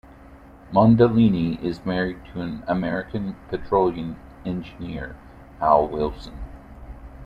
Mondellini is married to an American Petroleum engineer, Al Wilson.